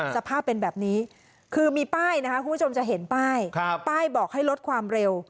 สภาพเป็นแบบนี้คือมีป้ายนะคะคุณผู้ชมจะเห็นป้ายป้ายบอกให้ลดความเร็ว